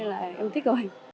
nên là em thích rồi